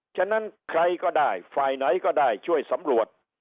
ฉะนั้นใครก็ได้ฝ่ายไหนก็ได้ช่วยสำรวจ